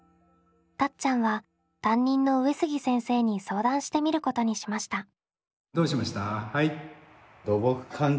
たっちゃんは担任の上杉先生に相談してみることにしました。